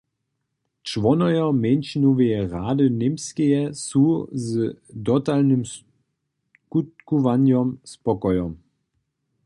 Čłonojo mjeńšinoweje rady Němskeje su z dotalnym skutkowanjom spokojom.